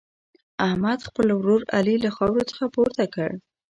احمد، خپل ورور علي له خاورو څخه پورته کړ.